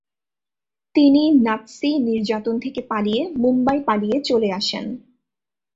তিনি নাৎসি নির্যাতন থেকে পালিয়ে মুম্বই পালিয়ে চলে আসেন।